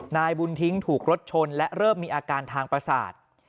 นายบุญทิ้งถูกรถชนและเริ่มมีอาการทางประสาท